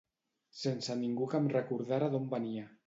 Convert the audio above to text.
Sense ningú que em recordara d'on venia.